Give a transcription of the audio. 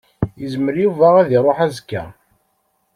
Yezmer Yuba ad iṛuḥ azekka.